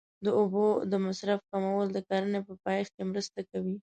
د اوبو د مصرف کمول د کرنې په پایښت کې مرسته کوي.